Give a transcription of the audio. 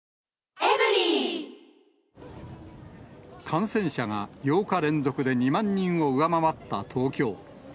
感染者が８日連続で、２万人を上回った東京。